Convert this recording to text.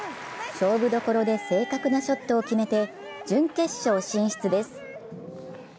勝負どころで正確なショットを決めて準決勝進出です。